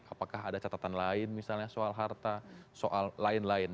apakah ada catatan lain misalnya soal harta soal lain lain